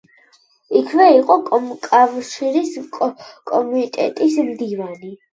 იქვე იყო კომკავშირის კომიტეტის მდივანი.